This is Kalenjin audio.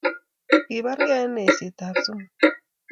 Kibarkei eng eisetab sumu